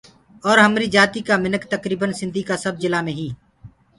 اور همريٚ جآتيٚ ڪآ مِنک تڪرٚڦن سنڌي ڪآ سب جِلآ مي هينٚ